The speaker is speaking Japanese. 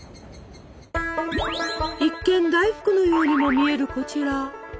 一見大福のようにも見えるこちら。